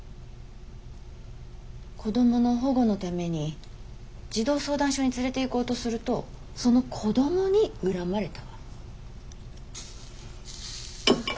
子供の保護のために児童相談所に連れていこうとするとその子供に恨まれたわ。